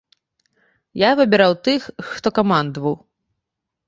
Я выбіраў тых, хто камандаваў.